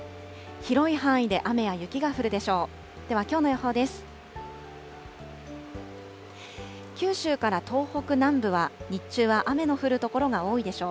広い範囲で雨や雪が降るでしょう。